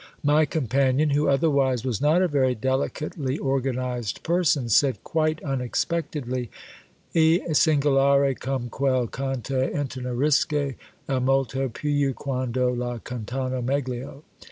My companion, who otherwise was not a very delicately organised person, said quite unexpectedly, "E singolare come quel canto intenerisce, e molto più quando la cantano meglio."